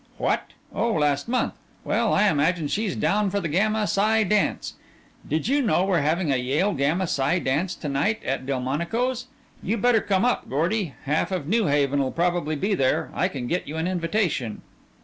"What? Oh, last month. Well, I imagine she's down for the Gamma Psi dance. Did you know we're having a Yale Gamma Psi dance to night at Delmonico's? You better come up, Gordy. Half of New Haven'll probably be there. I can get you an invitation."